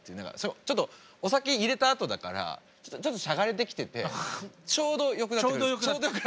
ちょっとお酒入れたあとだからちょっとしゃがれてきててちょうどよくなってくるんです。